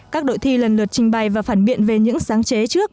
các đội thi lần lượt trình bày và phản biện về những sáng chế trước